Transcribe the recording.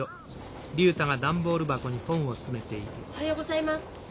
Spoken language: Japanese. おはようございます。